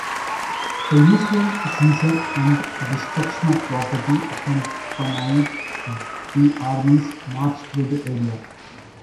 The usual seizure and destruction of property accompanied the army's march through the area.